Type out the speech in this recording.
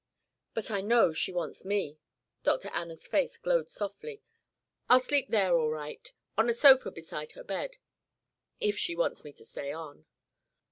"But I know she wants me." Dr. Anna's face glowed softly. "I'll sleep there all right on a sofa beside her bed if she wants me to stay on."